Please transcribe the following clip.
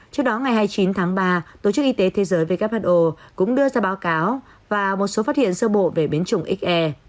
trước đó ngày hai mươi chín tháng ba tổ chức y tế thế giới who cũng đưa ra báo cáo và một số phát hiện sơ bộ về biến chủng xe